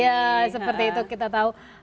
ya seperti itu kita tahu